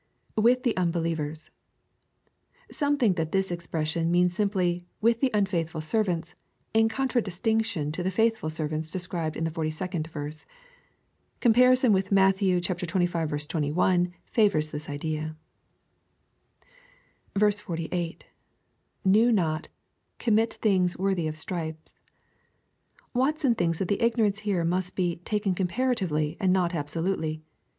[ With the unbelievers.] Some think that this expression means simply " with the unfaithful servants," in contradistinction to the " faithful servants," described in the 42d verse. Comparison with Matthew xxv. 21, favora this idea. 48. — [Knew not...commit things worthy of stripes,] Watson thinks that the ignorance here must be " taken comparatively, and not absolutely."